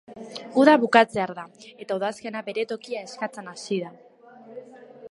Uda bukatzear da, eta udazkena bere tokia eskatzen hasi da.